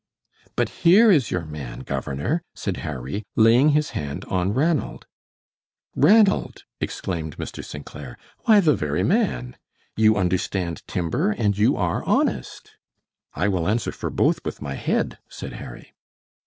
"But here is your man, governor," said Harry, laying his hand on Ranald. "Ranald!" exclaimed Mr. St. Clair. "Why, the very man! You understand timber, and you are honest." "I will answer for both with my head," said Harry.